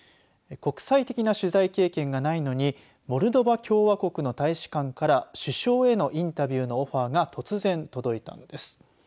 国際的な取材経験がないのにモルドバ共和国の大使館から首相へのインタビューのオファーが突然、届いたのです。